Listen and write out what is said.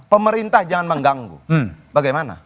pemerintah jangan mengganggu bagaimana